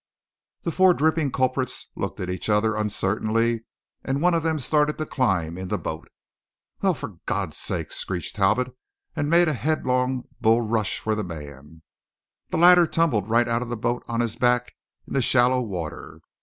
The four dripping culprits looked at each other uncertainly, and one of them started to climb in the boat. "Well, for God's sake!" screeched Talbot, and made a headlong bull rush for the man. The latter tumbled right out of the boat on his back in the shallow water.